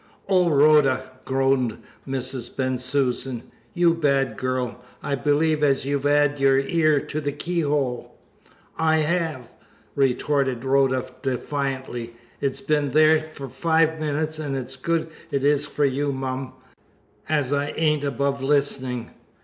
"Oh, Rhoda!" groaned Mrs. Bensusan. "You bad gal! I believe as you've 'ad your ear to the keyhole." "I 'ave!" retorted Rhoda defiantly. "It's been there for five minutes, and good it is for you, mum, as I ain't above listening.